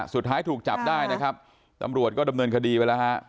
สุดท้ายถูกจับได้นะครับตำรวจก็ดำเนินคดีไปแล้วฮะ